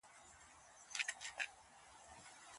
يوسف عليه السلام د عزيز مصر ميرمني ته هيڅ ازار نه وو رسولی.